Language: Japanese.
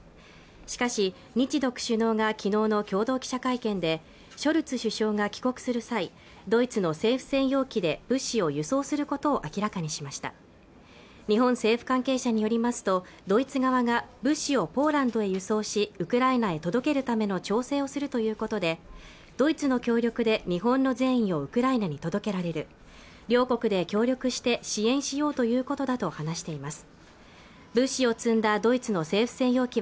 しかし日独首脳が昨日の共同記者会見でショルツ首相が帰国する際ドイツの政府専用機で物資を輸送することを明らかにしました日本政府関係者によりますとドイツ側が物資をポーランドへ輸送しウクライナへ届けるための調整をするということでドイツの協力で日本の善意をウクライナに届けられる両国で協力して支援しようということだと話しています